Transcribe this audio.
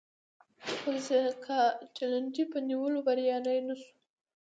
خو د سکاټلنډ په نیولو بریالی نه شو